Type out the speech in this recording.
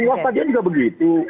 luar stadion juga begitu